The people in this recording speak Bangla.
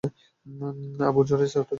আবু যুরাইযও উঠে দাঁড়ায়।